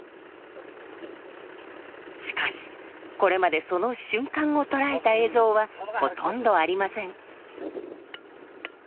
しかしこれまでその瞬間を捉えた映像はほとんどありません。